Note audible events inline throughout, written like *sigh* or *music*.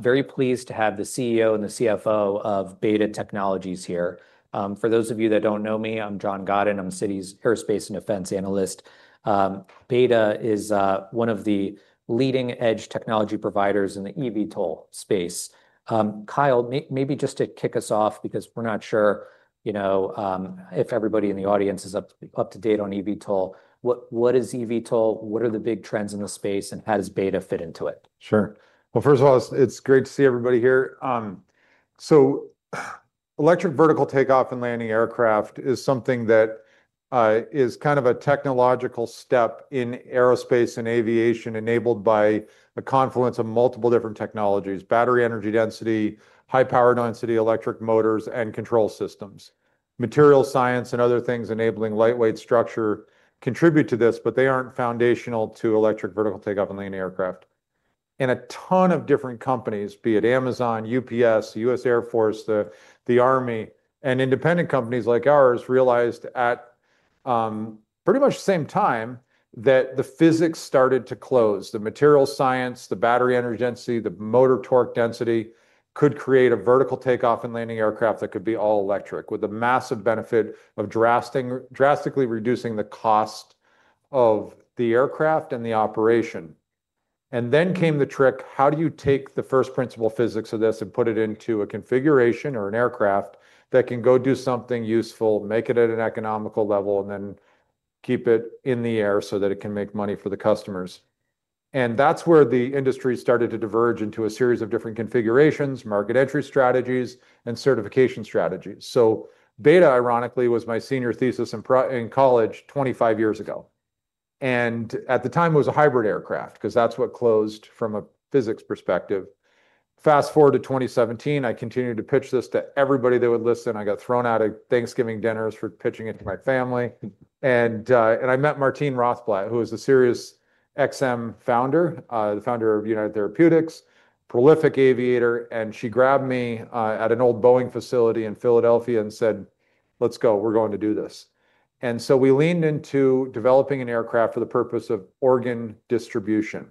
Very pleased to have the CEO and the CFO of BETA Technologies here. For those of you that don't know me, I'm John Godyn. I'm Citi's Aerospace and Defense Analyst. BETA is one of the leading-edge technology providers in the eVTOL space. Kyle, maybe just to kick us off, because we're not sure, you know, if everybody in the audience is up to date on eVTOL. What is eVTOL? What are the big trends in the space, and how does BETA fit into it? Sure. Well, first of all, it's great to see everybody here. So electric vertical takeoff and landing aircraft is something that is kind of a technological step in aerospace and aviation, enabled by a confluence of multiple different technologies: battery energy density, high power density electric motors, and control systems. Material science and other things enabling lightweight structure contribute to this, but they aren't foundational to electric vertical takeoff and landing aircraft. And a ton of different companies, be it Amazon, UPS, the U.S. Air Force, the Army, and independent companies like ours, realized at pretty much the same time that the physics started to close. The material science, the battery energy density, the motor torque density could create a vertical takeoff and landing aircraft that could be all electric, with the massive benefit of drastically reducing the cost of the aircraft and the operation. And then came the trick: how do you take the first principle physics of this and put it into a configuration or an aircraft that can go do something useful, make it at an economical level, and then keep it in the air so that it can make money for the customers? And that's where the industry started to diverge into a series of different configurations, market entry strategies, and certification strategies. So BETA, ironically, was my senior thesis in college 25 years ago, and at the time it was a hybrid aircraft, 'cause that's what closed from a physics perspective. Fast-forward to 2017, I continued to pitch this to everybody that would listen. I got thrown out of Thanksgiving dinners for pitching it to my family. I met Martine Rothblatt, who is the SiriusXM founder, the founder of United Therapeutics, prolific aviator, and she grabbed me at an old Boeing facility in Philadelphia and said, "Let's go. We're going to do this." We leaned into developing an aircraft for the purpose of organ distribution.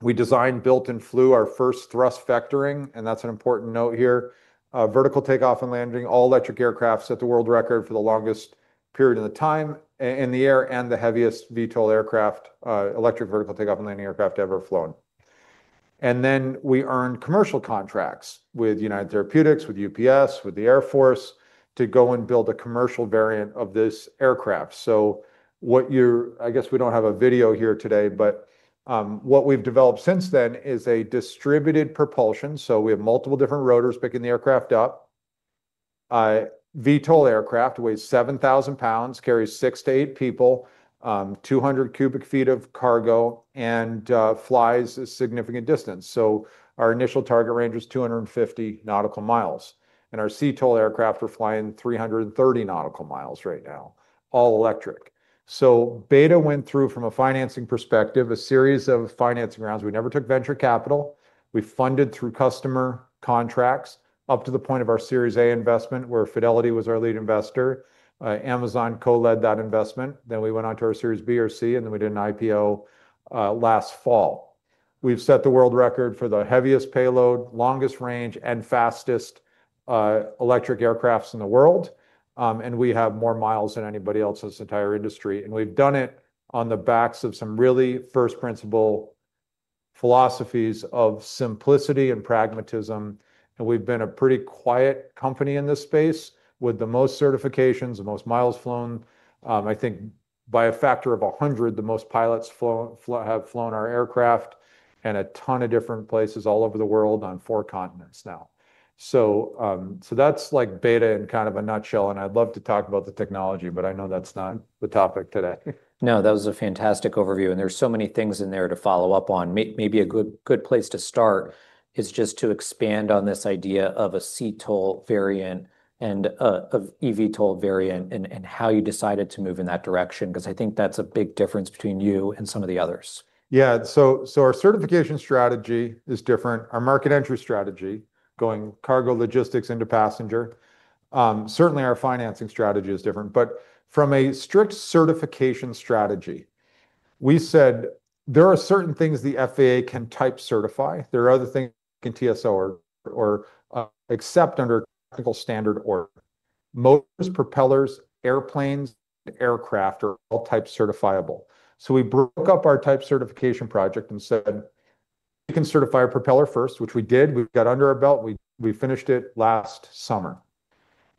We designed, built, and flew our first thrust vectoring, and that's an important note here. Vertical takeoff and landing, all-electric aircraft set the world record for the longest period of time in the air, and the heaviest VTOL aircraft, electric vertical takeoff and landing aircraft ever flown. And then we earned commercial contracts with United Therapeutics, with UPS, with the Air Force, to go and build a commercial variant of this aircraft. So what you're... I guess we don't have a video here today, but, what we've developed since then is a distributed propulsion, so we have multiple different rotors picking the aircraft up. VTOL aircraft, weighs 7,000 lbs, carries six to eight people, 200 cu ft of cargo, and, flies a significant distance. So our initial target range was 250 NM, and our CTOL aircraft are flying 330 NM right now, all electric. So BETA went through, from a financing perspective, a series of financing rounds. We never took venture capital. We funded through customer contracts up to the point of our Series A investment, where Fidelity was our lead investor. Amazon co-led that investment. Then we went on to our Series B or C, and then we did an IPO last fall. We've set the world record for the heaviest payload, longest range, and fastest electric aircrafts in the world, and we have more miles than anybody else in this entire industry. And we've done it on the backs of some really first principle philosophies of simplicity and pragmatism, and we've been a pretty quiet company in this space with the most certifications, the most miles flown. I think by a factor of 100, the most pilots have flown our aircraft in a ton of different places all over the world on four continents now. So, so that's, like, BETA in kind of a nutshell, and I'd love to talk about the technology, but I know that's not the topic today. No, that was a fantastic overview, and there's so many things in there to follow up on. Maybe a good place to start is just to expand on this idea of a CTOL variant and of eVTOL variant and how you decided to move in that direction, because I think that's a big difference between you and some of the others. Yeah. So our certification strategy is different. Our market entry strategy, going cargo logistics into passenger, certainly our financing strategy is different. But from a strict certification strategy, we said there are certain things the FAA can type certify. There are other things in TSO or, accept under technical standard order motors, propellers, airplanes, and aircraft are all type certifiable. So we broke up our Type Certification project and said, "We can certify a propeller first," which we did. We've got it under our belt. We finished it last summer.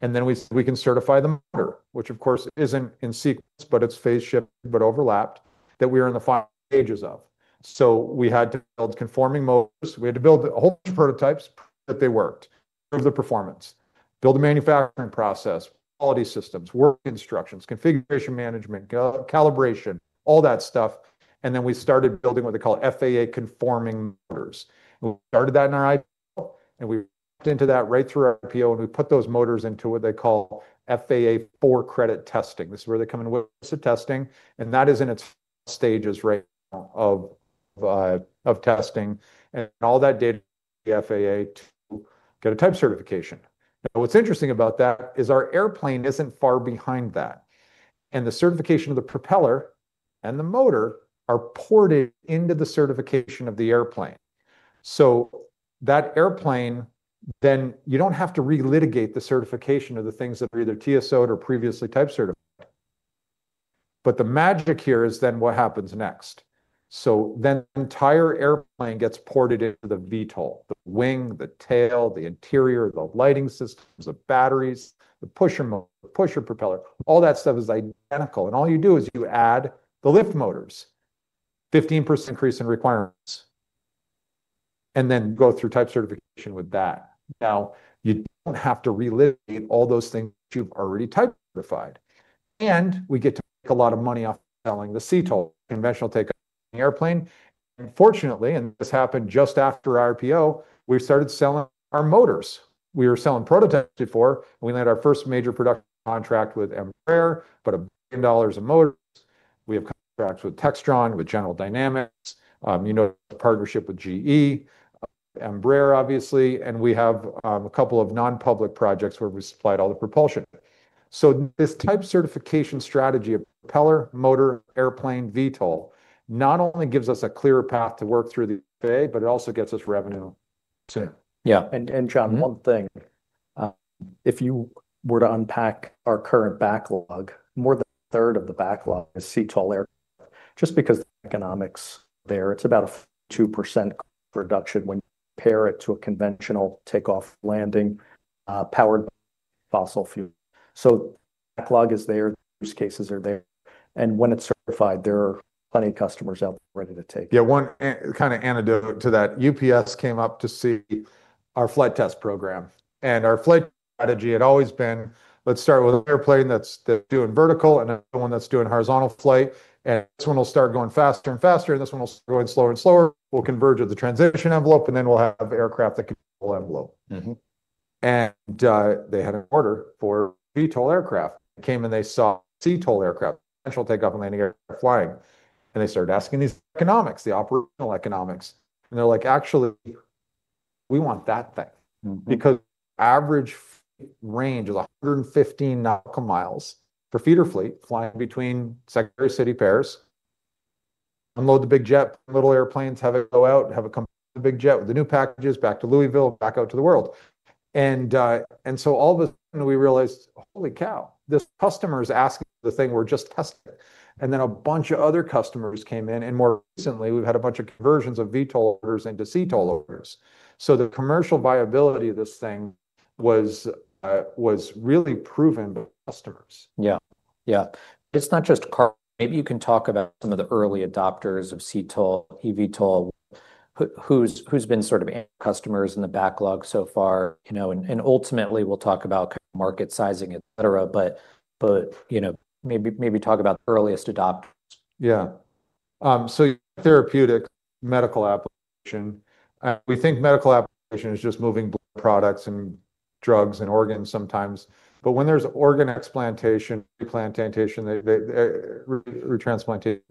And then we can certify the motor, which of course isn't in sequence, but it's phase-shifted, but overlapped, that we are in the final stages of. So we had to build conforming motors. We had to build a whole bunch of prototypes, but they worked. Prove the performance, build a manufacturing process, quality systems, work instructions, configuration management, calibration, all that stuff, and then we started building what they call FAA-conforming motors. We started that in our IPO, and we went into that right through our IPO, and we put those motors into what they call FAA for-credit testing. This is where they come in with the testing, and that is in its stages right now of of testing and all that data, the FAA to get a type certification. Now, what's interesting about that is our airplane isn't far behind that, and the certification of the propeller and the motor are ported into the certification of the airplane. So that airplane, then you don't have to re-litigate the certification of the things that are either TSO'd or previously type certified. But the magic here is then what happens next? So then the entire airplane gets ported into the VTOL, the wing, the tail, the interior, the lighting systems, the batteries, the pusher propeller, all that stuff is identical. And all you do is you add the lift motors, 15% increase in requirements, and then go through type certification with that. Now, you don't have to relitigate all those things you've already type certified. And we get to make a lot of money off selling the CTOL, conventional takeoff airplane. Unfortunately, and this happened just after our IPO, we started selling our motors. We were selling prototypes before, and we had our first major production contract with Embraer about $1 billion of motors. We have contracts with Textron, with General Dynamics, you know, a partnership with GE, Embraer, obviously, and we have a couple of non-public projects where we supplied all the propulsion. This Type Certification strategy of propeller, motor, airplane, VTOL, not only gives us a clear path to work through the FAA, but it also gets us revenue too. Yeah. And John, one thing, if you were to unpack our current backlog, more than a third of the backlog is CTOL aircraft, just because the economics there, it's about a 2% reduction when you compare it to a conventional takeoff, landing, powered fossil fuel. So the backlog is there, use cases are there, and when it's certified, there are plenty of customers out there ready to take it. Yeah, one kind of anecdote to that: UPS came up to see our flight test program, and our flight strategy had always been, let's start with an airplane that's, that's doing vertical and another one that's doing horizontal flight, and this one will start going faster and faster, and this one will start going slower and slower. We'll converge at the transition envelope, and then we'll have aircraft that can full envelope. They had an order for VTOL aircraft. They came, and they saw CTOL aircraft, conventional takeoff and landing aircraft flying, and they started asking these economics, the operational economics. They're like: "Actually, we want that thing. Because average range is 115 NM for feeder fleet flying between secondary city pairs. Unload the big jet, little airplanes, have it go out, and have it come to the big jet with the new packages back to Louisville, back out to the world. And so all of a sudden we realized, holy cow, this customer is asking the thing we're just testing. And then a bunch of other customers came in, and more recently, we've had a bunch of conversions of VTOL orders into CTOL orders. So the commercial viability of this thing was really proven by customers. Yeah. It's not just cargo. Maybe you can talk about some of the early adopters of CTOL and VTOL, who's been sort of end customers in the backlog so far, you know, and ultimately, we'll talk about market sizing, et cetera. But you know, maybe talk about the earliest adopters. Yeah. So therapeutic medical application, we think medical application is just moving blood products and drugs and organs sometimes. But when there's organ explantation, replantation, retransplantation,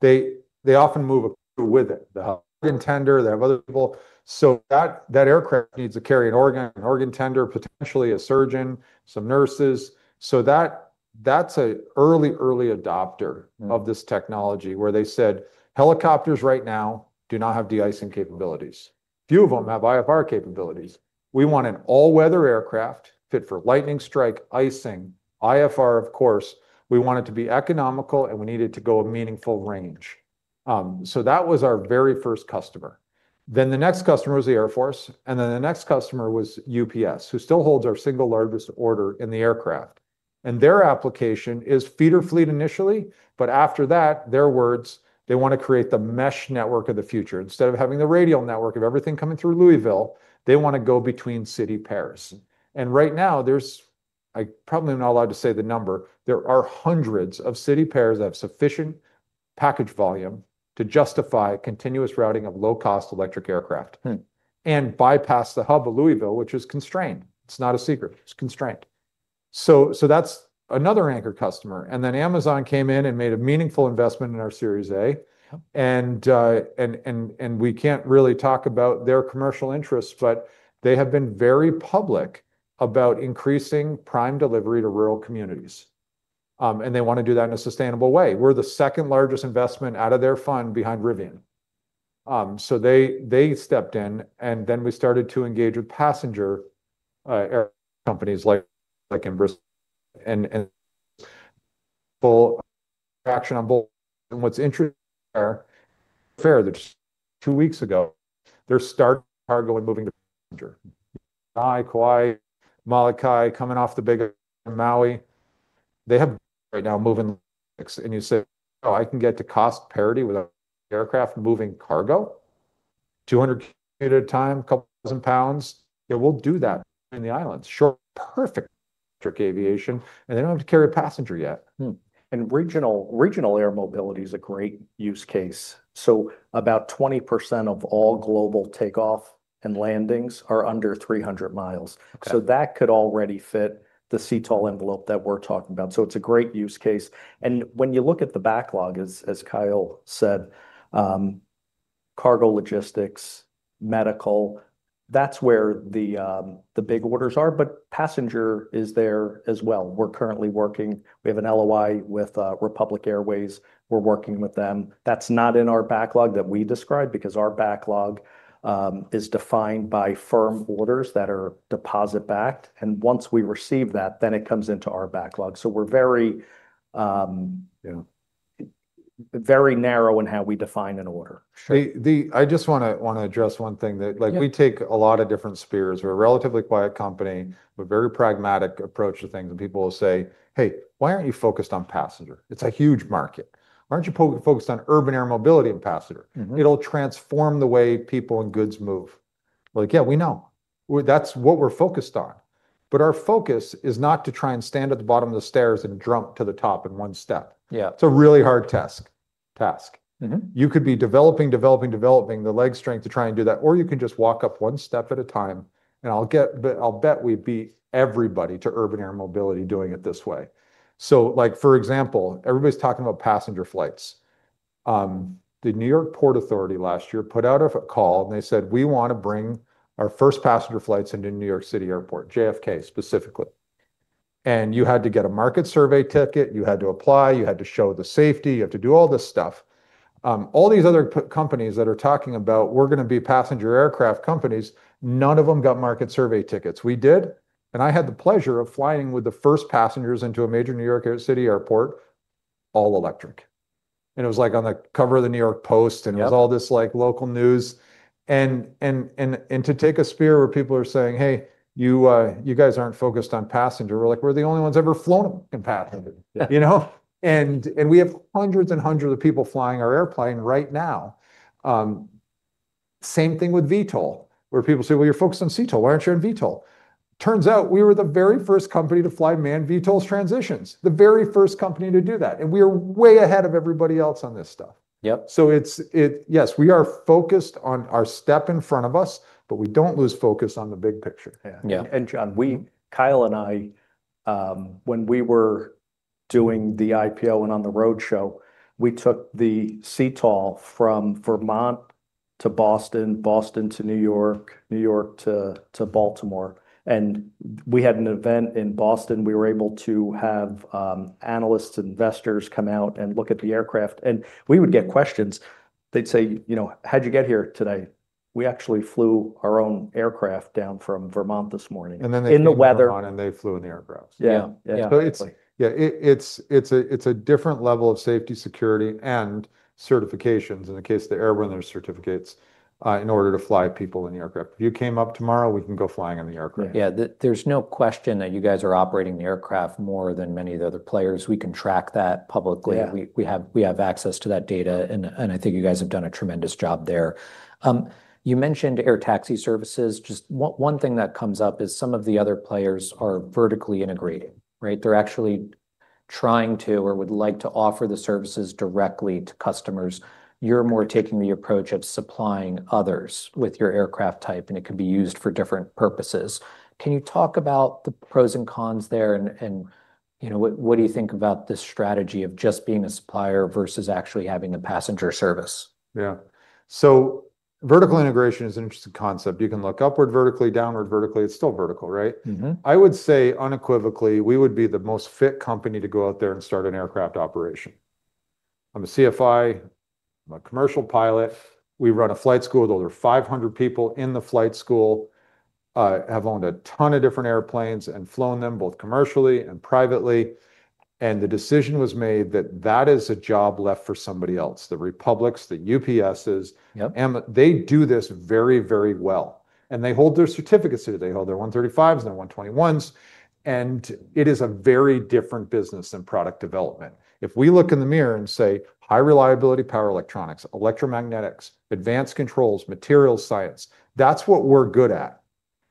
they often move along with it, the organ tender, they have other people. So that aircraft needs to carry an organ, an organ tender, potentially a surgeon, some nurses. So that's an early adopter of this technology, where they said, "Helicopters right now do not have de-icing capabilities. Few of them have IFR capabilities. We want an all-weather aircraft fit for lightning strike, icing, IFR, of course. We want it to be economical, and we need it to go a meaningful range." So that was our very first customer. Then the next customer was the Air Force, and then the next customer was UPS, who still holds our single largest order in the aircraft. And their application is feeder fleet initially, but after that, their words, they want to create the mesh network of the future. Instead of having the radial network of everything coming through Louisville, they want to go between city pairs. And right now, there's-- I probably am not allowed to say the number, there are hundreds of city pairs that have sufficient package volume to justify continuous routing of low-cost electric aircraft and bypass the hub of Louisville, which is constrained. It's not a secret. It's constrained. So, so that's another anchor customer. And then Amazon came in and made a meaningful investment in our Series A. We can't really talk about their commercial interests, but they have been very public about increasing Prime delivery to rural communities. They want to do that in a sustainable way. We're the second largest investment out of their fund behind Rivian. They stepped in, and then we started to engage with passenger air companies like, like Embraer. Full traction on both. What's interesting, fair, that just two weeks ago, they're start cargo and moving to passenger. Kauai, Molokai, coming off the big Maui, they have right now moving. You say, "Oh, I can get to cost parity with an aircraft moving cargo? 200 at a time, couple thousand pounds. Yeah, we'll do that in the islands." Sure, perfect for aviation, and they don't have to carry a passenger yet. Regional, regional air mobility is a great use case. About 20% of all global takeoffs and landings are under 300 mi. So that could already fit the CTOL envelope that we're talking about. So it's a great use case. And when you look at the backlog, as Kyle said, cargo logistics, medical, that's where the big orders are, but passenger is there as well. We're currently working. We have an LOI with Republic Airways. We're working with them. That's not in our backlog that we describe, because our backlog is defined by firm orders that are deposit-backed, and once we receive that, then it comes into our backlog. So we're very, you know, very narrow in how we define an order. I just wanna address one thing. Like, we take a lot of different spheres. We're a relatively quiet company, but very pragmatic approach to things, and people will say, "Hey, why aren't you focused on passenger? It's a huge market. Why aren't you focused on urban air mobility and passenger? It'll transform the way people and goods move." Like, yeah, we know. Well, that's what we're focused on. But our focus is not to try and stand at the bottom of the stairs and jump to the top in one step. It's a really hard task. You could be developing, developing, developing the leg strength to try and do that, or you can just walk up one step at a time, and I'll get... But I'll bet we beat everybody to urban air mobility doing it this way. So, like, for example, everybody's talking about passenger flights. The New York Port Authority last year put out a call, and they said: "We wanna bring our first passenger flights into New York City Airport, JFK, specifically." And you had to get a market survey ticket, you had to apply, you had to show the safety, you have to do all this stuff. All these other companies that are talking about, "We're gonna be passenger aircraft companies," none of them got market survey tickets. We did, and I had the pleasure of flying with the first passengers into a major New York City Airport, all-electric. It was, like, on the cover of the New York Post and it was all this, like, local news. And to take a sphere where people are saying, "Hey, you, you guys aren't focused on passenger," we're like, "We're the only ones who've ever flown a fucking passenger. You know? And we have hundreds and hundreds of people flying our airplane right now. Same thing with VTOL, where people say, "Well, you're focused on CTOL. Why aren't you on VTOL?" Turns out we were the very first company to fly manned VTOLs transitions, the very first company to do that, and we are way ahead of everybody else on this stuff. Yes, we are focused on our step in front of us, but we don't lose focus on the big picture. Yeah. And, John, we, Kyle and I, when we were doing the IPO and on the roadshow, we took the CTOL from Vermont to Boston, Boston to New York, New York to, to Baltimore, and we had an event in Boston. We were able to have, analysts, investors come out and look at the aircraft, and we would get questions. They'd say, you know, "How'd you get here today?" "We actually flew our own aircraft down from Vermont this morning in the weather And then they flew in the aircraft. Yeah. So it's a different level of safety, security, and certifications, in the case of the airworthiness certificates, in order to fly people in the aircraft. If you came up tomorrow, we can go flying in the aircraft. Yeah. There's no question that you guys are operating the aircraft more than many of the other players. We can track that publicly. We have access to that data, and I think you guys have done a tremendous job there. You mentioned air taxi services. Just one thing that comes up is some of the other players are vertically integrated, right? They're actually trying to, or would like to offer the services directly to customers. You're more taking the approach of supplying others with your aircraft type, and it could be used for different purposes. Can you talk about the pros and cons there, and you know, what do you think about this strategy of just being a supplier versus actually having a passenger service? Yeah. So vertical integration is an interesting concept. You can look upward vertically, downward vertically. It's still vertical, right? I would say, unequivocally, we would be the most fit company to go out there and start an aircraft operation. I'm a CFI. I'm a commercial pilot. We run a flight school. Those are 500 people in the flight school. I have owned a ton of different airplanes and flown them both commercially and privately, and the decision was made that that is a job left for somebody else, the Republic's, the UPS's. They do this very, very well, and they hold their certificates, so they hold their 135s and their 121s, and it is a very different business than product development. If we look in the mirror and say, "High reliability, power electronics, electromagnetics, advanced controls, material science," that's what we're good at.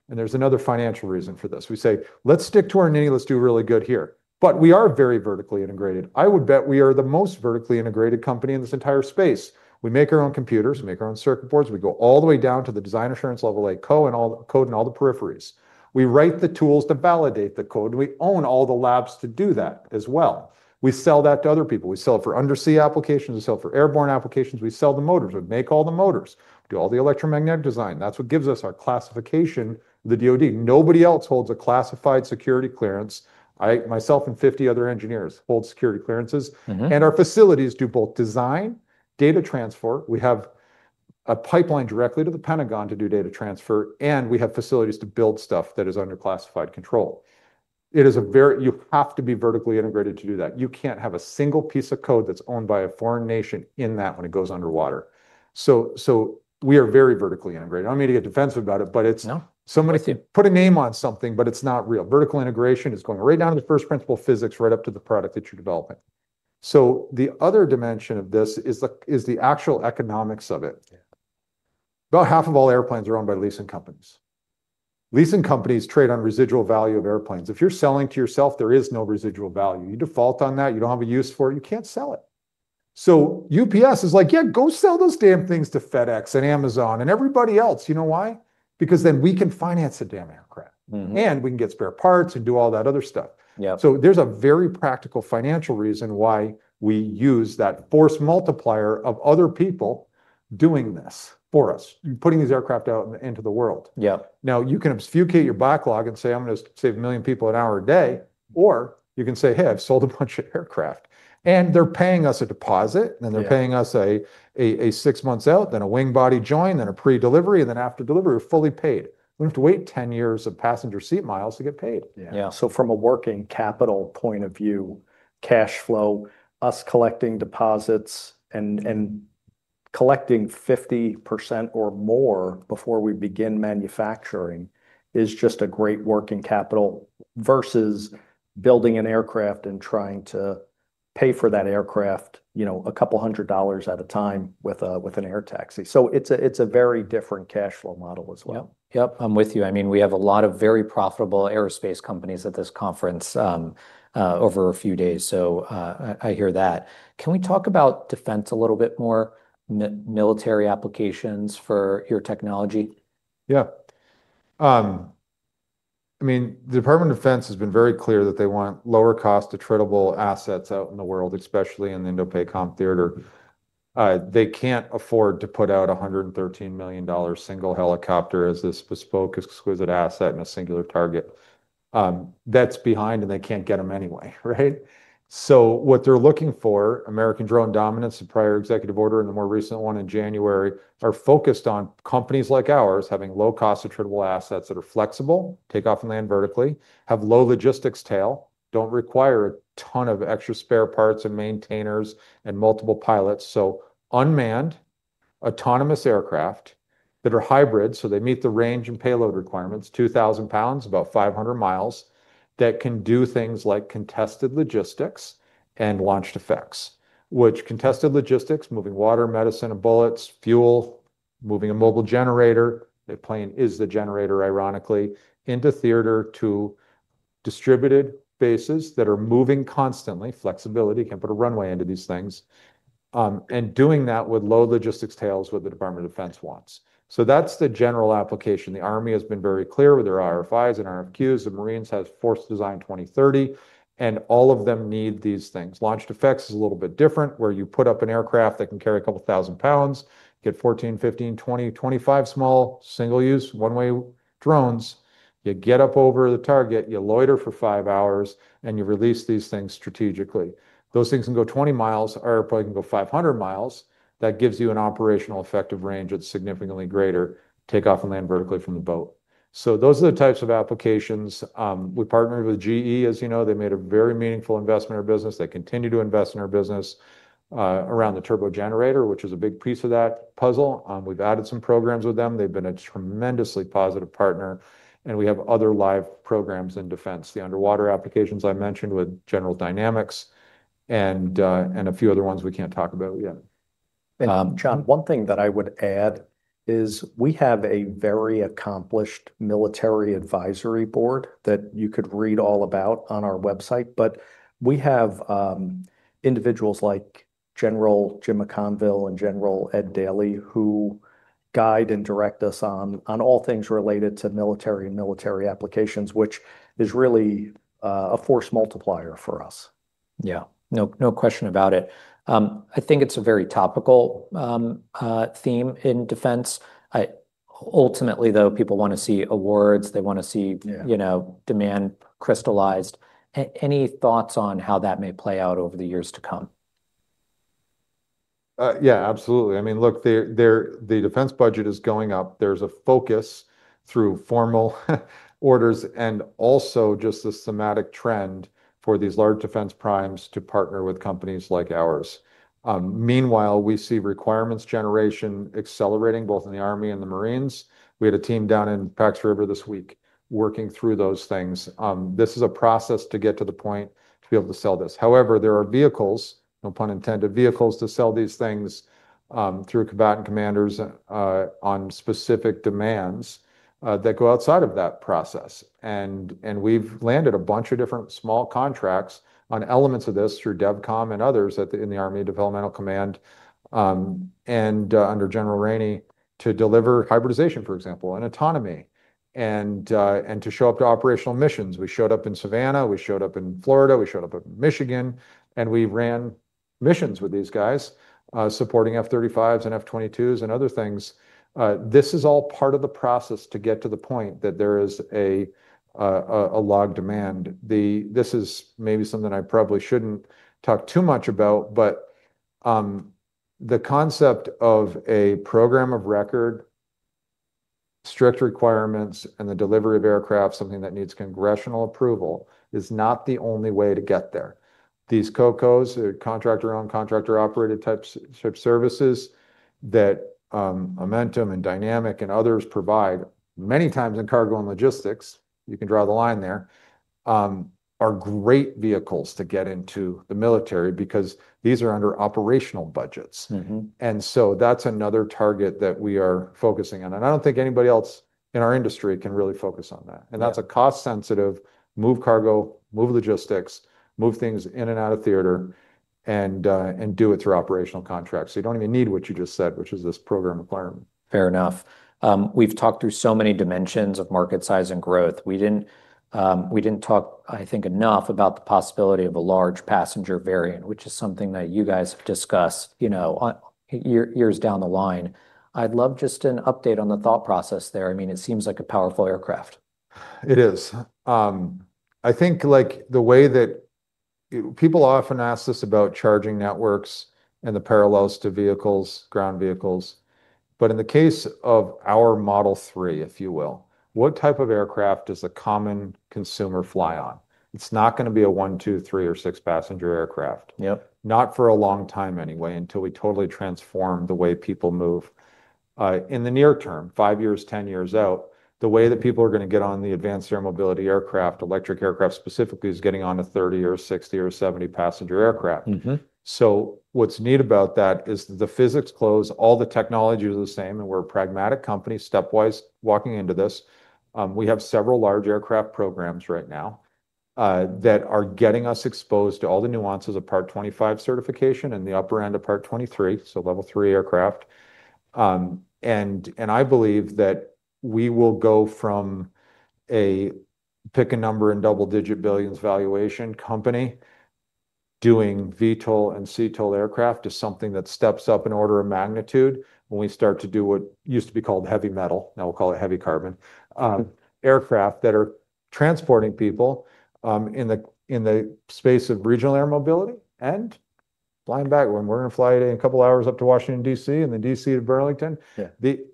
There's another financial reason for this. We say, "Let's stick to our niche. Let's do really good here." We are very vertically integrated. I would bet we are the most vertically integrated company in this entire space. We make our own computers, we make our own circuit boards, we go all the way down to the design assurance level, like code and all the code and all the peripheries. We write the tools to validate the code. We own all the labs to do that as well. We sell that to other people. We sell it for undersea applications, we sell it for airborne applications, we sell the motors. We make all the motors, do all the electromagnetic design. That's what gives us our classification, the DoD. Nobody else holds a classified security clearance. I, myself and 50 other engineers, hold security clearances. Our facilities do both design, data transfer, we have a pipeline directly to the Pentagon to do data transfer, and we have facilities to build stuff that is under classified control. It is a very-- You have to be vertically integrated to do that. You can't have a single piece of code that's owned by a foreign nation in that when it goes underwater. So, so we are very vertically integrated. I don't mean to get defensive about it, but it's somebody put a name on something, but it's not real. Vertical integration is going right down to the first principle physics, right up to the product that you're developing. So the other dimension of this is the actual economics of it. About half of all airplanes are owned by leasing companies. Leasing companies trade on residual value of airplanes. If you're selling to yourself, there is no residual value. You default on that, you don't have a use for it, you can't sell it. So UPS is like: "Yeah, go sell those damn things to FedEx and Amazon, and everybody else." You know why? Because then we can finance the damn aircraft. We can get spare parts and do all that other stuff. There's a very practical financial reason why we use that force multiplier of other people doing this for us, putting these aircraft out into the world. Now, you can obfuscate your backlog and say, "I'm gonna save 1 million people an hour a day," or you can say, "Hey, I've sold a bunch of aircraft." And they're paying us a deposit and they're paying us a six months out, then a wing body join, then a pre-delivery, and then after delivery, we're fully paid. We don't have to wait 10 years of passenger seat miles to get paid. Yeah, from a working capital point of view, cash flow, us collecting deposits and collecting 50% or more before we begin manufacturing is just a great working capital, versus building an aircraft and trying to pay for that aircraft, you know, a couple of hundred dollars at a time with an air taxi. It's a very different cash flow model as well. Yep. Yep, I'm with you. I mean, we have a lot of very profitable aerospace companies at this conference over a few days, so I hear that. Can we talk about defense a little bit more, military applications for your technology? Yeah. I mean, the Department of Defense has been very clear that they want lower cost, attritable assets out in the world, especially in the INDOPACOM theater. They can't afford to put out $113 million single helicopter as this bespoke, exquisite asset and a singular target. That's behind, and they can't get them anyway, right? So what they're looking for, American drone dominance, the prior executive order and the more recent one in January, are focused on companies like ours, having low-cost, attritable assets that are flexible, takeoff and land vertically, have low logistics tail, don't require a ton of extra spare parts and maintainers and multiple pilots. So unmanned, autonomous aircraft that are hybrid, so they meet the range and payload requirements, 2,000 lbs, about 500 mi, that can do things like contested logistics and launched effects. Which contested logistics, moving water, medicine, and bullets, fuel, moving a mobile generator, the plane is the generator, ironically, into theater to distributed bases that are moving constantly. Flexibility, can put a runway into these things. And doing that with low logistics tails is what the Department of Defense wants. So that's the general application. The Army has been very clear with their RFIs and RFQs. The Marines has Force Design 2030, and all of them need these things. Launched Effects is a little bit different, where you put up an aircraft that can carry a couple thousand pounds, get 14, 15, 20, 25 small, single-use, one-way drones. You get up over the target, you loiter for five hours, and you release these things strategically. Those things can go 20 mi, or probably can go 500 mi. That gives you an operational effective range that's significantly greater, takeoff and land vertically from the boat. So those are the types of applications. We partnered with GE, as you know. They made a very meaningful investment in our business. They continue to invest in our business around the turbo generator, which is a big piece of that puzzle. We've added some programs with them. They've been a tremendously positive partner, and we have other live programs in defense. The underwater applications I mentioned with General Dynamics and a few other ones we can't talk about yet. And, John, one thing that I would add is we have a very accomplished military advisory board that you could read all about on our website. But we have individuals like General Jim McConville and General Ed Daly, who guide and direct us on all things related to military and military applications, which is really a force multiplier for us. Yeah. No, no question about it. I think it's a very topical theme in defense. Ultimately, though, people want to see awards, they want to see you know, demand crystallized. Any thoughts on how that may play out over the years to come? Yeah, absolutely. I mean, look, the defense budget is going up. There's a focus through formal orders and also just the systemic trend for these large defense primes to partner with companies like ours. Meanwhile, we see requirements generation accelerating, both in the Army and the Marines. We had a team down in Pax River this week, working through those things. This is a process to get to the point to be able to sell this. However, there are vehicles, no pun intended, vehicles to sell these things, through combatant commanders, on specific demands, that go outside of that process. We've landed a bunch of different small contracts on elements of this through DEVCOM and others at the Army Developmental Command, and under General Rainey, to deliver hybridization, for example, and autonomy, and to show up to operational missions. We showed up in Savannah, we showed up in Florida, we showed up in Michigan, and we ran missions with these guys, supporting F-35s and F-22s and other things. This is all part of the process to get to the point that there is a log demand. This is maybe something I probably shouldn't talk too much about, but the concept of a program of record, strict requirements, and the delivery of aircraft, something that needs congressional approval, is not the only way to get there. These COCOs, contractor-owned, contractor-operated type services that Amentum and Dynamic and others provide, many times in cargo and logistics, you can draw the line there, are great vehicles to get into the military because these are under operational budgets. That's another target that we are focusing on. I don't think anybody else in our industry can really focus on that. And that's a cost-sensitive, move cargo, move logistics, move things in and out of theater and do it through operational contracts. So you don't even need what you just said, which is this program requirement. Fair enough. We've talked through so many dimensions of market size and growth. We didn't, we didn't talk, I think, enough about the possibility of a large passenger variant, which is something that you guys have discussed, you know, on years down the line. I'd love just an update on the thought process there. I mean, it seems like a powerful aircraft. It is. I think, like, the way that... People often ask us about charging networks and the parallels to vehicles, ground vehicles. But in the case of our Model 3, if you will, what type of aircraft does the common consumer fly on? It's not gonna be a one-, two-, three- or six-passenger aircraft. Not for a long time, anyway, until we totally transform the way people move. In the near term, 5 years, 10 years out, the way that people are gonna get on the advanced air mobility aircraft, electric aircraft specifically, is getting on a 30- or 60- or 70-passenger aircraft. What's neat about that is the physics close, all the technology is the same, and we're a pragmatic company, stepwise walking into this. We have several large aircraft programs right now that are getting us exposed to all the nuances of Part 25 certification and the upper end of Part 23, so Level 3 aircraft. I believe that we will go from a pick a number in double-digit billions valuation company doing VTOL and CTOL aircraft to something that steps up in order of magnitude when we start to do what used to be called heavy metal, now we'll call it heavy carbon. Aircraft that are transporting people in the space of regional air mobility and flying back. We're gonna fly today in a couple of hours up to Washington, D.C., and then D.C. to Burlington,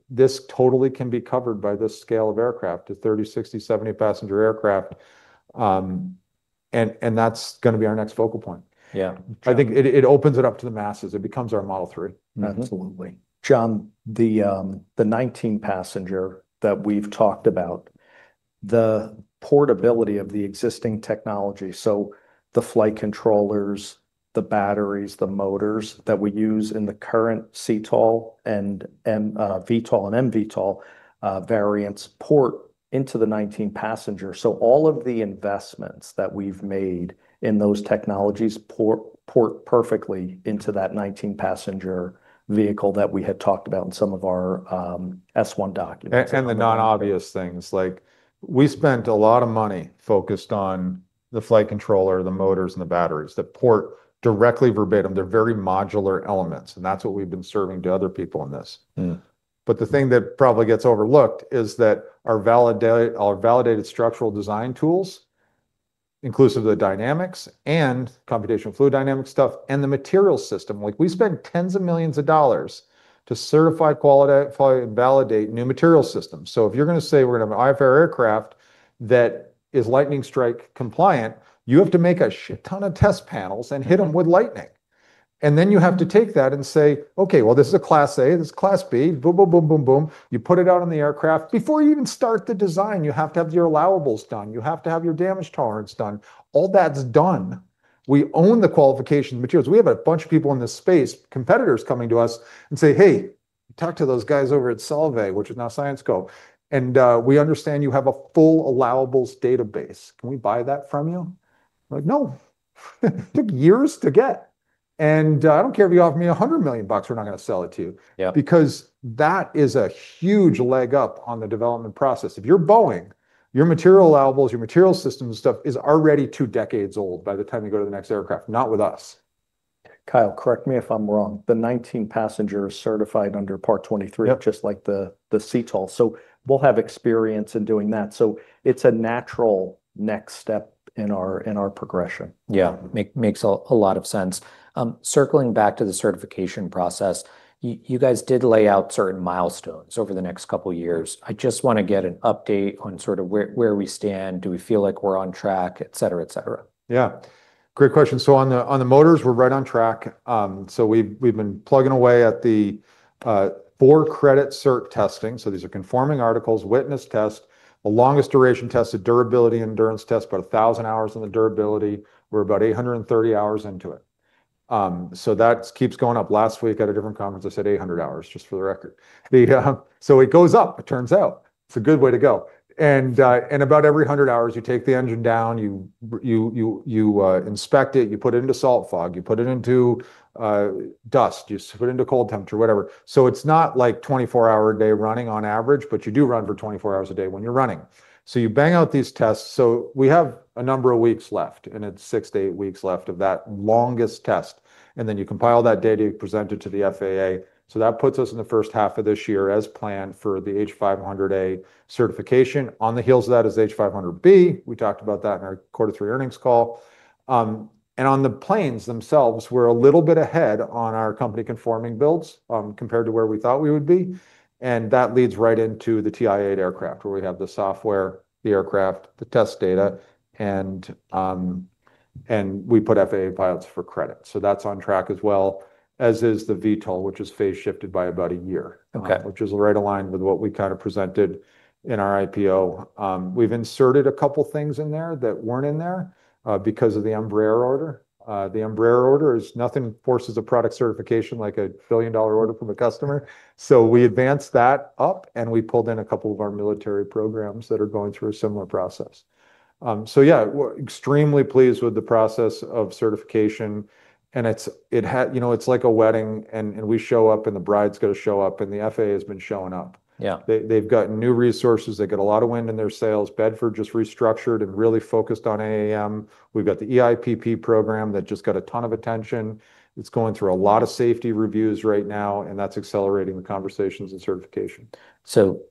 this totally can be covered by this scale of aircraft, the 30-, 60-, 70-passenger aircraft. And that's gonna be our next focal point. I think it opens it up to the masses. It becomes our Model 3. Absolutely. John, the 19-passenger that we've talked about, the portability of the existing technology, so the flight controllers, the batteries, the motors that we use in the current CTOL and VTOL and MVTL variants port into the 19-passenger. So all of the investments that we've made in those technologies port, port perfectly into that 19-passenger vehicle that we had talked about in some of our S-1 documents. And the non-obvious things, like we spent a lot of money focused on the flight controller, the motors, and the batteries, that port directly verbatim. They're very modular elements, and that's what we've been serving to other people in this. But the thing that probably gets overlooked is that our validated structural design tools, inclusive of the dynamics and computational fluid dynamics stuff, and the material system, like, we spend tens of millions of dollars to certify, qualify, and validate new material systems. So if you're gonna say we're gonna have an IFR aircraft that is lightning strike compliant, you have to make a shit ton of test panels and hit them with lightning. And then you have to take that and say, "Okay, well, this is a Class A, this is Class B," boom, boom, boom, boom, boom. You put it out on the aircraft. Before you even start the design, you have to have your allowables done, you have to have your damage tolerance done. All that's done. We own the qualification materials. We have a bunch of people in this space, competitors coming to us and say, "Hey, talk to those guys over at Solvay," which is now Syensqo. "And, we understand you have a full allowables database. Can we buy that from you?" We're like: "No." It took years to get, and, I don't care if you offer me $100 million bucks, we're not gonna sell it to you. Because that is a huge leg up on the development process. If you're Boeing, your material allowables, your material system stuff is already two decades old by the time you go to the next aircraft. Not with us. Kyle, correct me if I'm wrong, the 19-passenger is certified under Part 23 just like the CTOL. So we'll have experience in doing that. So it's a natural next step in our progression. Yeah. Makes a lot of sense. Circling back to the certification process, you guys did lay out certain milestones over the next couple of years. I just wanna get an update on sort of where we stand, do we feel like we're on track, et cetera, et cetera. Yeah. Great question. On the motors, we're right on track. We've been plugging away at the four-credit cert testing. These are conforming articles, witness test, the longest duration test, the durability endurance test, about 1,000 hours on the durability. We're about 830 hours into it. That keeps going up. Last week, at a different conference, I said 800 hours, just for the record. It goes up, it turns out. It's a good way to go. About every 100 hours, you take the engine down, you inspect it, you put it into salt fog, you put it into dust, you put it into cold temperature, whatever. It's not like 24-hour a day running on average, but you do run for 24 hours a day when you're running. So you bang out these tests. So we have a number of weeks left, and it's six to eight weeks left of that longest test, and then you compile that data, you present it to the FAA. So that puts us in the first half of this year, as planned, for the H500A certification. On the heels of that is H500B. We talked about that in our quarter three earnings call. And on the planes themselves, we're a little bit ahead on our company-conforming builds, compared to where we thought we would be, and that leads right into the certified aircraft, where we have the software, the aircraft, the test data, and and we put FAA pilots for credit. So that's on track as well, as is the VTOL, which is phase shifted by about a year.. Which is right aligned with what we kind of presented in our IPO. We've inserted a couple things in there that weren't in there, because of the Embraer order. The Embraer order is nothing forces a product certification like a billion-dollar order from a customer. So we advanced that up, and we pulled in a couple of our military programs that are going through a similar process. So yeah, we're extremely pleased with the process of certification, and it's you know, it's like a wedding, and we show up, and the bride's gonna show up, and the FAA has been showing up. They've gotten new resources. They get a lot of wind in their sails. Bedford just restructured and really focused on AAM. We've got the IPP program that just got a ton of attention. It's going through a lot of safety reviews right now, and that's accelerating the conversations and certification. So,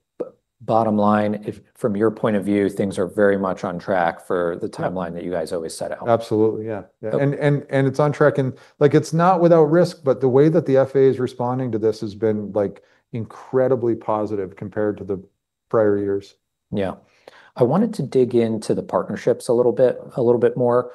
bottom line, if from your point of view, things are very much on track for the timeline that you guys always set out? Absolutely, yeah. Yeah. And it's on track, and like, it's not without risk, but the way that the FAA is responding to this has been, like, incredibly positive compared to the prior years. Yeah. I wanted to dig into the partnerships a little bit, a little bit more.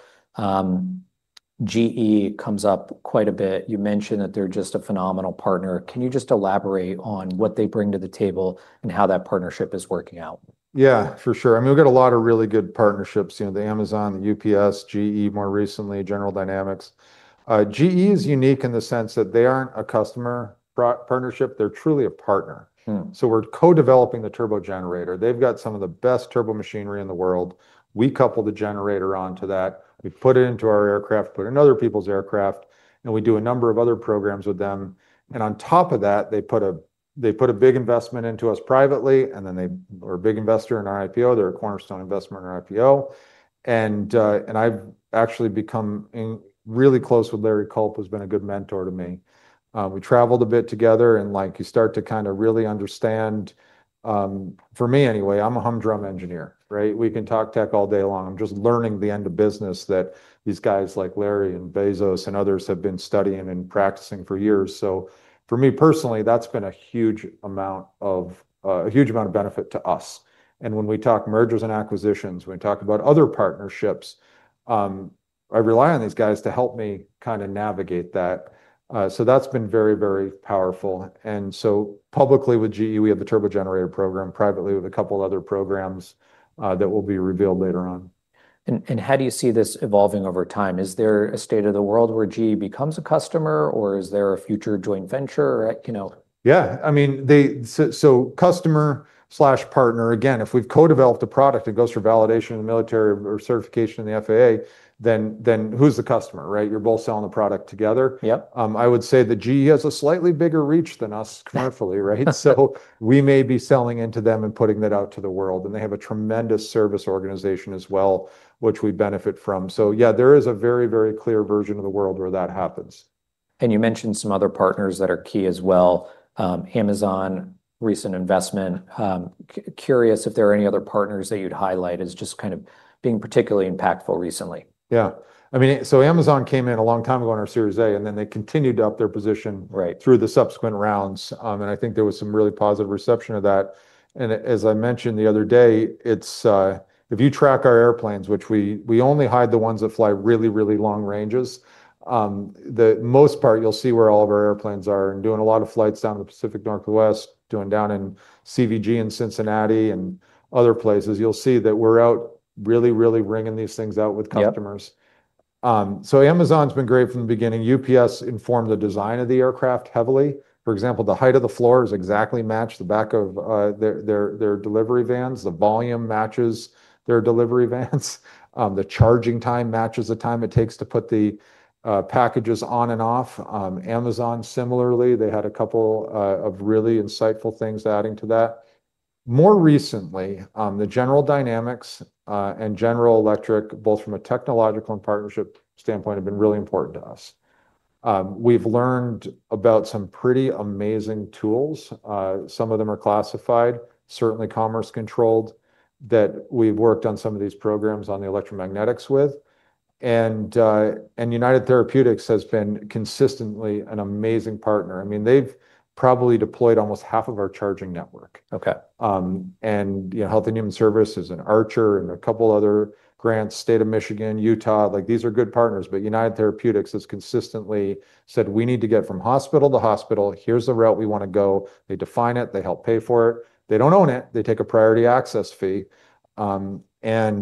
GE comes up quite a bit. You mentioned that they're just a phenomenal partner. Can you just elaborate on what they bring to the table and how that partnership is working out? Yeah, for sure. I mean, we've got a lot of really good partnerships. You know, the Amazon, the UPS, GE, more recently, General Dynamics. GE is unique in the sense that they aren't a customer partnership, they're truly a partner. So we're co-developing the turbo generator. They've got some of the best turbo machinery in the world. We couple the generator onto that, we put it into our aircraft, put it in other people's aircraft, and we do a number of other programs with them. And on top of that, they put a, they put a big investment into us privately, and then they were a big investor in our IPO. They're a cornerstone investment in our IPO. And, and I've actually become in-- really close with Larry Culp, who's been a good mentor to me. We traveled a bit together, and, like, you start to kind of really understand, for me, anyway, I'm a humdrum engineer, right? We can talk tech all day long. I'm just learning the end of business that these guys, like Larry and Bezos and others, have been studying and practicing for years. So for me personally, that's been a huge amount of, a huge amount of benefit to us. And when we talk mergers and acquisitions, when we talk about other partnerships, I rely on these guys to help me kind of navigate that. So that's been very, very powerful. And so publicly, with GE, we have the turbo generator program. Privately, we have a couple other programs, that will be revealed later on. And how do you see this evolving over time? Is there a state of the world where GE becomes a customer, or is there a future joint venture, you know? Yeah. I mean, they, so customer/partner, again, if we've co-developed a product that goes through validation in the military or certification in the FAA, then who's the customer, right? You're both selling the product together. I would say that GE has a slightly bigger reach than us, commercially, right? So we may be selling into them and putting that out to the world, and they have a tremendous service organization as well, which we benefit from. So yeah, there is a very, very clear version of the world where that happens. You mentioned some other partners that are key as well. Amazon, recent investment. Curious if there are any other partners that you'd highlight as just kind of being particularly impactful recently? Yeah. I mean, so Amazon came in a long time ago in our Series A, and then they continued to up their position through the subsequent rounds. And I think there was some really positive reception of that. And as I mentioned the other day, it's if you track our airplanes, which we only hide the ones that fly really, really long ranges, for the most part, you'll see where all of our airplanes are and doing a lot of flights down in the Pacific Northwest, doing down in CVG, and Cincinnati, and other places. You'll see that we're out really, really wringing these things out with customers. So Amazon's been great from the beginning. UPS informed the design of the aircraft heavily. For example, the height of the floors exactly match the back of their delivery vans. The volume matches their delivery vans. The charging time matches the time it takes to put the packages on and off. Amazon, similarly, they had a couple of really insightful things adding to that. More recently, the General Dynamics and General Electric, both from a technological and partnership standpoint, have been really important to us. We've learned about some pretty amazing tools. Some of them are classified, certainly commerce-controlled, that we've worked on some of these programs on the electromagnetics with. And United Therapeutics has been consistently an amazing partner. I mean, they've probably deployed almost half of our charging network. You know, Health and Human Services and Archer and a couple other grants, state of Michigan, Utah, like these are good partners, but United Therapeutics has consistently said: "We need to get from hospital to hospital. Here's the route we wanna go." They define it, they help pay for it. They don't own it, they take a priority access fee, and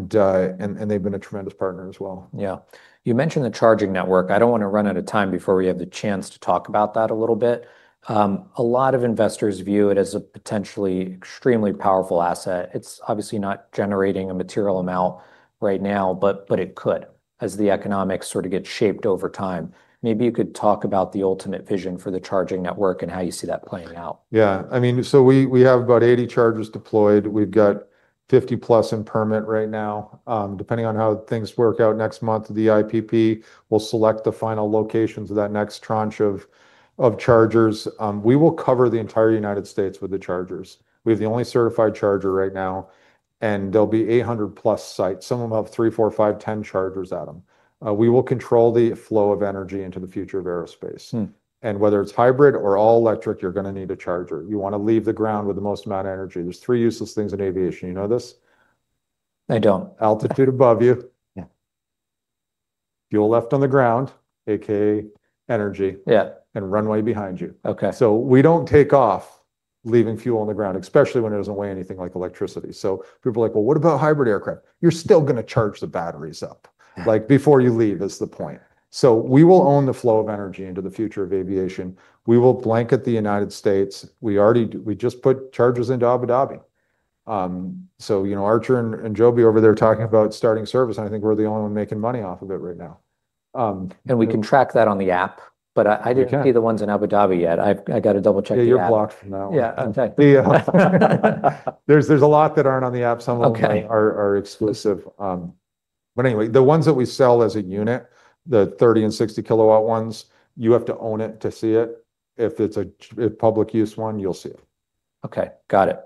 they've been a tremendous partner as well. Yeah. You mentioned the charging network. I don't wanna run out of time before we have the chance to talk about that a little bit. A lot of investors view it as a potentially extremely powerful asset. It's obviously not generating a material amount right now, but, but it could, as the economics sort of get shaped over time. Maybe you could talk about the ultimate vision for the charging network and how you see that playing out. Yeah. I mean, so we have about 80 chargers deployed. We've got 50+ in permit right now. Depending on how things work out next month, the IPP will select the final locations of that next tranche of chargers. We will cover the entire United States with the chargers. We have the only certified charger right now, and there'll be 800+ sites, some of them have three, four, five, 10 chargers at them. We will control the flow of energy into the future of aerospace. Whether it's hybrid or all electric, you're gonna need a charger. You wanna leave the ground with the most amount of energy. There's three useless things in aviation. You know this? I don't. Altitude above you, fuel left on the ground, AKA energy and runway behind you. Okay. So we don't takeoff leaving fuel on the ground, especially when it doesn't weigh anything like electricity. So people are like: "Well, what about hybrid aircraft?" You're still gonna charge the batteries up. Like, before you leave is the point. So we will own the flow of energy into the future of aviation. We will blanket the United States. We already do. We just put chargers into Abu Dhabi. So, you know, Archer and Joby over there talking about starting service, and I think we're the only one making money off of it right now. We can track that on the app, but I can't see the ones in Abu Dhabi yet. I've got to double-check the app. Yeah, you're blocked from that one. Yeah. In fact. There's a lot that aren't on the app. Some of them are exclusive. But anyway, the ones that we sell as a unit, the 30 kW and 60 kW ones, you have to own it to see it. If it's a public use one, you'll see it. Okay, got it.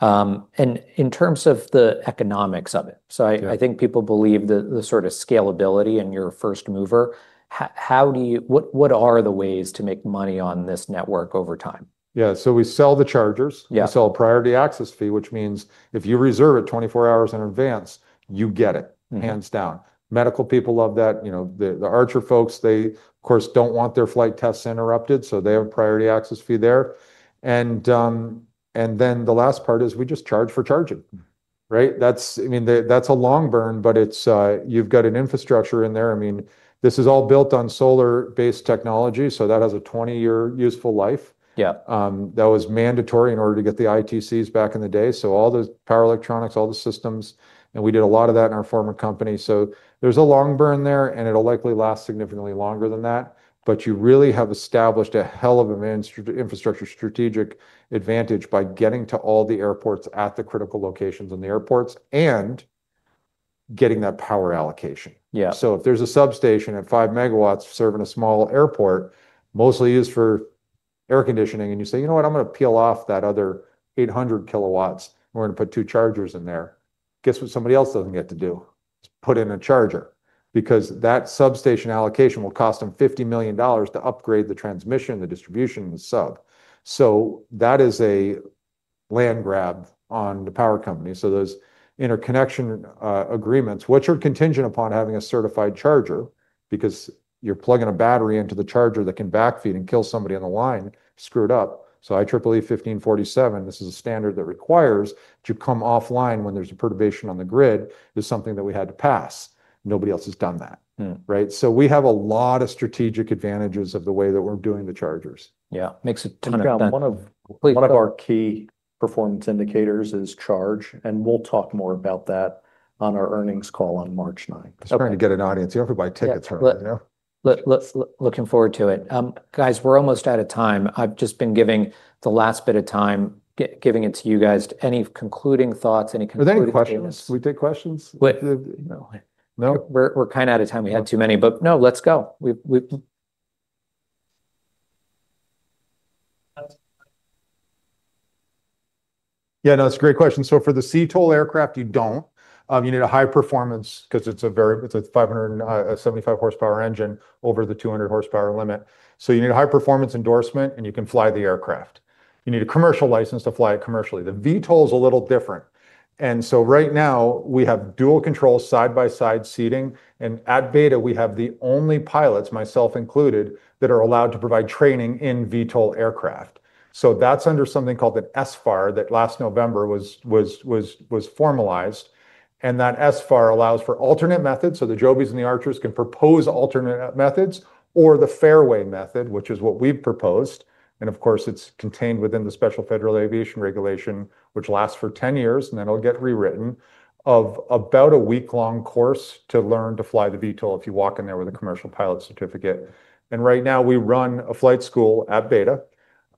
And in terms of the economics of it. So I think people believe the sort of scalability and you're a first mover. How do you—what are the ways to make money on this network over time? Yeah, so we sell the chargers. We sell a priority access fee, which means if you reserve it 24 hours in advance, you get it, hands down. Medical people love that. You know, the Archer folks, they of course don't want their flight tests interrupted, so they have a priority access fee there. And then the last part is we just charge for charging, right? That's—I mean, that's a long burn, but it's you've got an infrastructure in there. I mean, this is all built on solar-based technology, so that has a 20-year useful life. That was mandatory in order to get the ITCs back in the day. So all the power electronics, all the systems, and we did a lot of that in our former company. So there's a long burn there, and it'll likely last significantly longer than that. But you really have established a hell of an infrastructure strategic advantage by getting to all the airports at the critical locations in the airports and getting that power allocation. So if there's a substation and 5 MW serving a small airport, mostly used for air conditioning, and you say, "You know what? I'm gonna peel off that other 800 kW, and we're gonna put two chargers in there," guess what somebody else doesn't get to do? Put in a charger, because that substation allocation will cost them $50 million to upgrade the transmission, the distribution sub. So that is a land grab on the power company. So those interconnection agreements, which are contingent upon having a certified charger, because you're plugging a battery into the charger that can back feed and kill somebody on the line, screwed up. So IEEE 1547, this is a standard that requires to come offline when there's a perturbation on the grid, is something that we had to pass. Nobody else has done that. Right? So we have a lot of strategic advantages of the way that we're doing the chargers. Yeah, makes a ton of— One of our key performance indicators is charge, and we'll talk more about that on our earnings call on March 9. Okay. Starting to get an audience. You have to buy tickets here now. Let's, looking forward to it. Guys, we're almost out of time. I've just been giving the last bit of time, giving it to you guys. Any concluding thoughts, any concluding statements? Are there any questions? We take questions? No. No? We're kind of out of time. We had too many, but no, let's go. We've *audio distortion* Yeah, no, it's a great question. So for the CTOL aircraft, you don't. You need a high performance because it's a 575 hp engine over the 200 hp limit. So you need a high-performance endorsement, and you can fly the aircraft. You need a commercial license to fly it commercially. The VTOL is a little different. So right now, we have dual controls, side-by-side seating, and at BETA, we have the only pilots, myself included, that are allowed to provide training in VTOL aircraft. So that's under something called an SFAR, that was formalized last November, and that SFAR allows for alternate methods. So the Jobys and the Archers can propose alternate methods or the Fairway method, which is what we've proposed. Of course, it's contained within the Special Federal Aviation Regulation, which lasts for 10 years, and then it'll get rewritten, of about a week-long course to learn to fly the VTOL if you walk in there with a commercial pilot certificate. Right now, we run a flight school at BETA.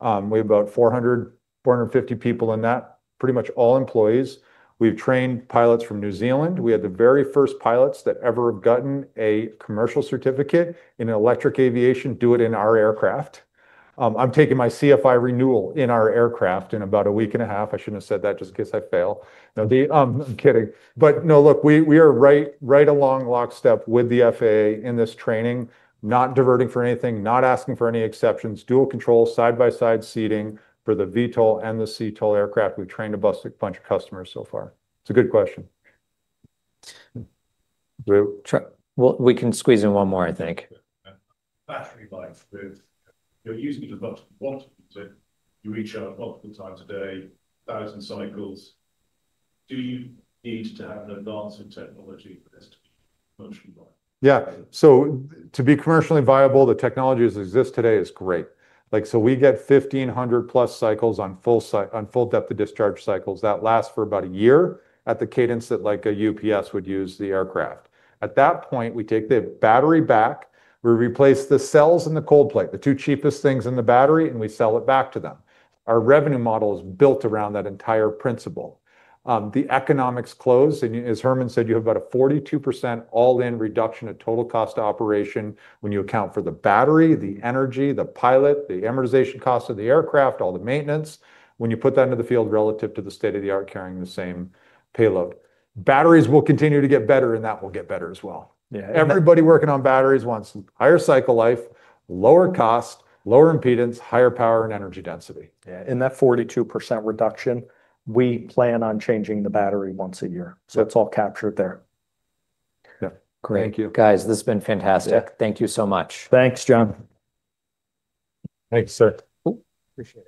We have about 450 people in that, pretty much all employees. We've trained pilots from New Zealand. We had the very first pilots that ever have gotten a commercial certificate in electric aviation, do it in our aircraft. I'm taking my CFI renewal in our aircraft in about a week and a half. I shouldn't have said that, just in case I fail. Now, I'm kidding. But no, look, we are right along lockstep with the FAA in this training, not diverting for anything, not asking for any exceptions. Dual control, side-by-side seating for the VTOL and the CTOL aircraft. We've trained a bunch of customers so far. It's a good question. We'll try. We can squeeze in one more, I think. You're using it as much as you want, but you recharge multiple times a day, 1,000 cycles. Do you need to have an advance in technology for this to be commercially viable? Yeah. So to be commercially viable, the technology as it exists today is great. Like, so we get 1,500+ cycles on full depth of discharge cycles. That lasts for about a year at the cadence that, like, a UPS would use the aircraft. At that point, we take the battery back, we replace the cells and the cold plate, the two cheapest things in the battery, and we sell it back to them. Our revenue model is built around that entire principle. The economics close, and as Herman said, you have about a 42% all-in reduction of total cost of operation when you account for the battery, the energy, the pilot, the amortization cost of the aircraft, all the maintenance, when you put that into the field relative to the state-of-the-art carrying the same payload. Batteries will continue to get better, and that will get better as well. Yeah. Everybody working on batteries wants higher cycle life, lower cost, lower impedance, higher power, and energy density. Yeah, in that 42% reduction, we plan on changing the battery once a year. Yeah. So it's all captured there. Yeah. Great. Thank you. Guys, this has been fantastic. Thank you so much. Thanks, John. Thanks, sir. Appreciate it.